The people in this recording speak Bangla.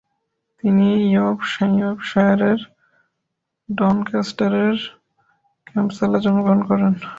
তিনি ইয়র্কশায়ারের ডনক্যাস্টারের ক্যাম্পসালে জন্মগ্রহণ করেন।